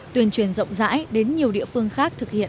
tuyên truyền rộng rãi đến nhiều địa phương khác thực hiện